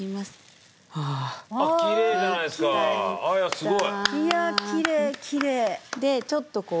すごい。